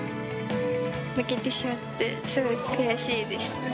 負けてしまってすごい悔しいです。